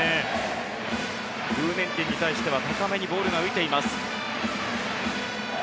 呉念庭に対しては高めにボールが浮いています。